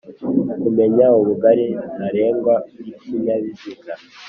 Kumenya ubugari ntarengwa bw'ikinyabiziga.